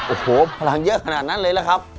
โอ้โหพลังเยอะขนาดนั้นเลยล่ะครับ